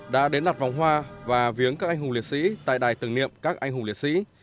đã đến đặt vòng hoa và viếng các anh hùng liệt sĩ tại đài tưởng niệm các anh hùng liệt sĩ